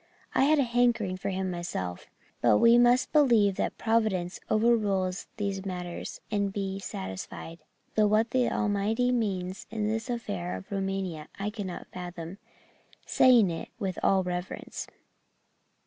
I had a hankering for him myself, but we must believe that Providence over rules these matters and be satisfied though what the Almighty means in this affair of Rumania I cannot fathom saying it with all reverence."